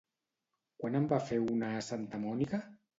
Quan en va fer una a Santa Mònica?